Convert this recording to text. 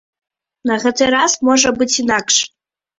На гэты раз можа быць інакш.